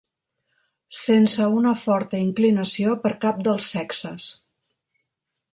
Sense una forta inclinació per cap dels sexes.